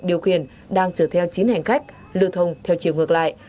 điều khiển đang chở theo chín hành khách lưu thông theo chiều ngược lại